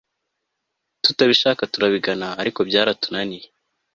Tutabishaka turabigana ariko byaratunaniye